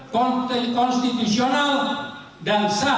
kontrik konstitusional dan kebencian